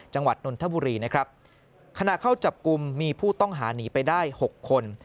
นนทบุรีนะครับขณะเข้าจับกลุ่มมีผู้ต้องหาหนีไปได้หกคน